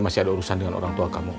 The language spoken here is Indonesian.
masih ada urusan dengan orang tua kamu